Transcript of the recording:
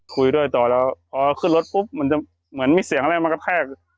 คุยด้วยต่อแล้วพอขึ้นรถปุ๊บมันจะเหมือนมีเสียงอะไรมากระแทก